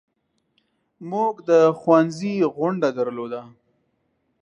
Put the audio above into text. موږ د ښوونځي غونډه درلوده.